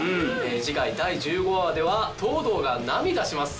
次回第１５話では東堂が涙します。